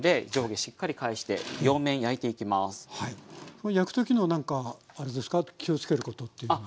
これ焼く時の何かあれですか気を付けることっていうのは。